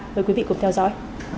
với quý vị cùng theo dõi